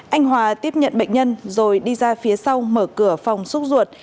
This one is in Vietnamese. anh hòa tiếp nhận bệnh nhân rồi đi ra phía sau mở cửa phòng xúc ruột